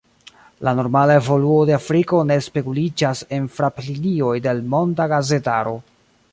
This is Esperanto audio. La normala evoluo de Afriko ne speguliĝas en fraplinioj de l’ monda gazetaro.